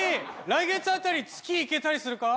来月あたり月行けたりするか？